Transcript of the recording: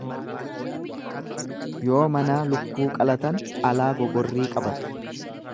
Yoo manaa lukkuu qalatan alaa gogorrii qabatu.